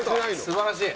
素晴らしい。